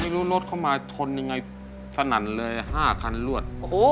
รถเข้ามาชนยังไงสนั่นเลย๕คันรวด